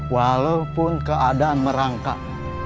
walaupun keadaan merangkak